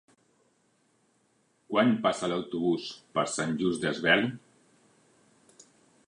Quan passa l'autobús per Sant Just Desvern?